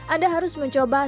anda harus mencoba